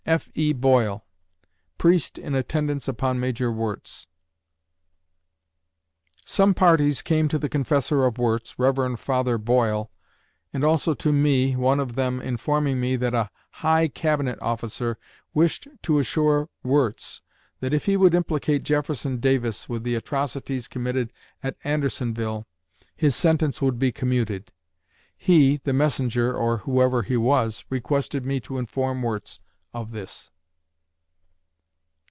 F. E. BOYLE (Priest in attendance upon Major Wirz) Some parties came to the confessor of Wirz, Rev. Father Boyle, and also to me, one of them informing me that a high Cabinet officer wished to assure Wirz, that if he would implicate Jefferson Davis with the atrocities committed at Andersonville, his sentence would be commuted. He, the messenger, or whoever he was, requested me to inform Wirz of this.